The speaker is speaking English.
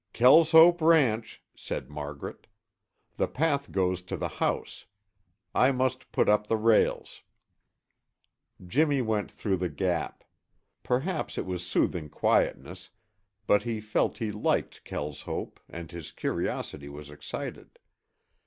"Kelshope ranch," said Margaret. "The path goes to the house. I must put up the rails." Jimmy went through the gap. Perhaps it was soothing quietness, but he felt he liked Kelshope and his curiosity was excited.